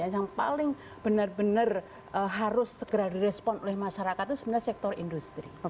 yang paling benar benar harus segera direspon oleh masyarakat itu sebenarnya sektor industri